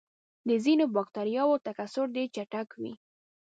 د ځینو بکټریاوو تکثر ډېر چټک وي.